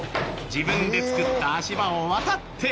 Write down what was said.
自分で作った足場を渡って。